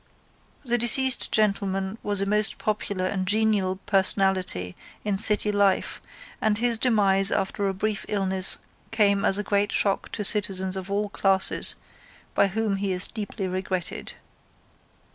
The deceased gentleman was a most popular and genial personality in city life and his demise after a brief illness came as a great shock to citizens of all classes by whom he is deeply regretted.